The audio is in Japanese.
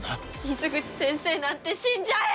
水口先生なんて死んじゃえ！